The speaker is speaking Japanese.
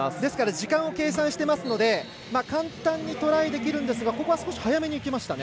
時間を計算しますので簡単にトライできるんですがここは少し早めにいきましたね。